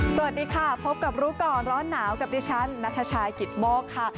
สวัสดีค่ะพบกับรู้ก่อนร้อนหนาวกับดิฉันนัทชายกิตโมกค่ะ